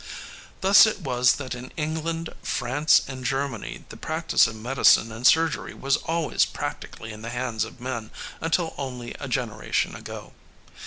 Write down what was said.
Thus it was that in England, France and Germany the practice of medicine and surgery was always practically in the hands of men until only a generation ago.